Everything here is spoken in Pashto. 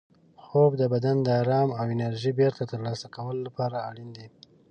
خوب د بدن د ارام او انرژۍ بېرته ترلاسه کولو لپاره اړین دی.